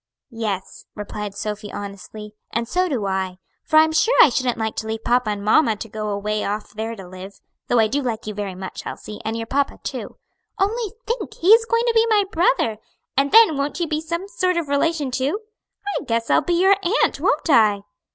"Yes," replied Sophy honestly, "and so do I; for I am sure I shouldn't like to leave papa and mamma and go away off there to live, though I do like you very much, Elsie, and your papa too. Only think! he is going to be my brother; and then won't you be some sort of relation too? I guess I'll be your aunt, won't I?"